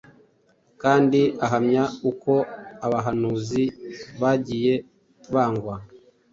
kandi ahamya uko abahanuzi bagiye bangwa